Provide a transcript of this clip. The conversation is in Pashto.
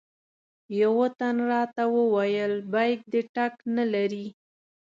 یوه تن راته وویل بیک دې ټګ نه لري.